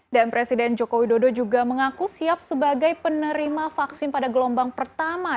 dan presiden joko widodo juga mengaku siap sebagai penerima vaksin pada gelombang pertama